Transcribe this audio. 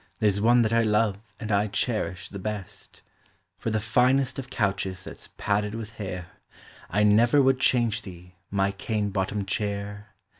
s one that I love and I cherish the best : For the finest of couches that 's padded with hair I never would change thee, my cane bottomed chair.